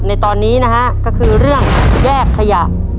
ในตอนนี้นะฮะก็คือเรื่องแยกขยะ